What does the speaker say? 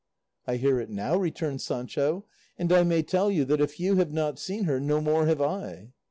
"I hear it now," returned Sancho; "and I may tell you that if you have not seen her, no more have I."